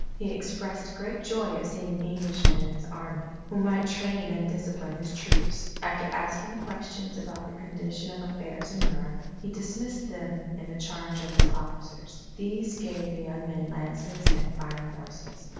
He expressed great joy at seeing Englishmen in his army, who might train and discipline his troops. After asking questions about the condition of affairs in Europe, he dismissed them in the charge of his officers. These gave the young men lances and fine horses.